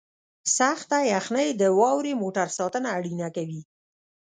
سخته یخنۍ د واورې موټر ساتنه اړینه کوي